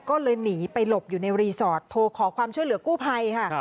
ก็เลยหนีไปหลบอยู่ในรีสอร์ทโทรขอความช่วยเหลือกู้ภัยค่ะ